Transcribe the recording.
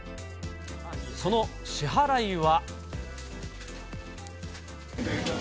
その支払いは。